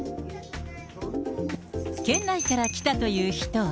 県内から来たという人は。